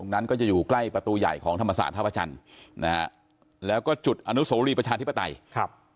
นั้นก็จะอยู่ใกล้ประตูใหญ่ของธรรมศาสตร์ท่าพระจันทร์นะฮะแล้วก็จุดอนุโสรีประชาธิปไตยครับ